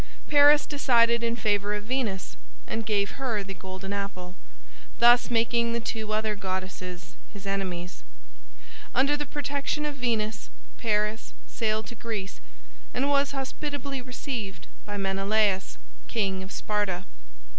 Paris decided in favor of Venus and gave her the golden apple, thus making the two other goddesses his enemies. Under the protection of Venus, Paris sailed to Greece, and was hospitably received by Menelaus, king of Sparta.